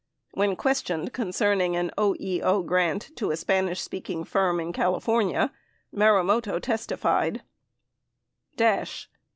71 When questioned concerning an OEO grant to a Spanish speaking firm in California, Marumoto testified : Hash.